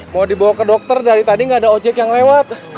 mau dibawa ke dokter dari tadi nggak ada ojek yang lewat